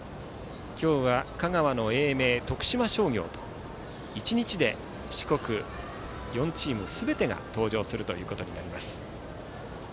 今日は香川の英明徳島商業の試合もあり１日で四国４チームすべてが登場することになります。